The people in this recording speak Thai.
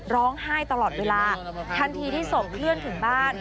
ร้องไห้ตลอดเวลาทันทีที่ศพเคลื่อนถึงบ้าน